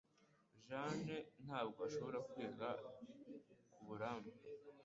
Jane ntabwo ashoboye kwigira kuburambe.